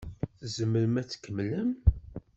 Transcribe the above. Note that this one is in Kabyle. Tzemrem ad tkemmlem?